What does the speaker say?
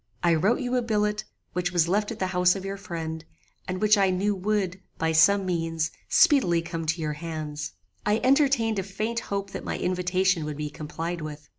"I wrote you a billet, which was left at the house of your friend, and which I knew would, by some means, speedily come to your hands. I entertained a faint hope that my invitation would be complied with.